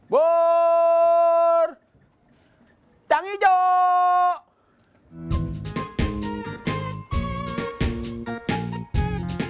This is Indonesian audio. bur tangi jok